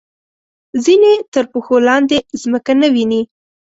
ځینې تر پښو لاندې ځمکه نه ویني.